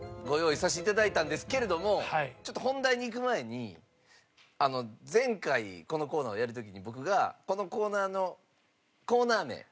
ご用意させて頂いたんですけれどもちょっと本題にいく前に前回このコーナーをやる時に僕がこのコーナーのコーナー名。